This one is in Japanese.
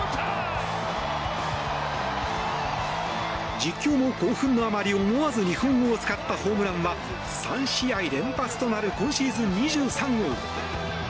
実況も興奮のあまり思わず日本語を使ったホームランは３試合連発となる今シーズン２３号。